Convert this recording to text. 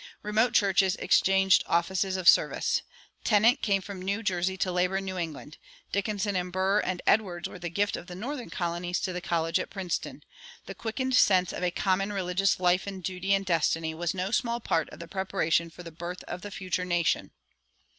Remote churches exchanged offices of service. Tennent came from New Jersey to labor in New England; Dickinson and Burr and Edwards were the gift of the northern colonies to the college at Princeton. The quickened sense of a common religious life and duty and destiny was no small part of the preparation for the birth of the future nation.